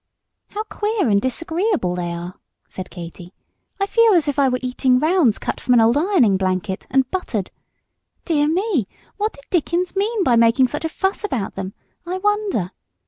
"How queer and disagreeable they are!" said Katy. "I feel as if I were eating rounds cut from an old ironing blanket and buttered! Dear me! what did Dickens mean by making such a fuss about them, I wonder?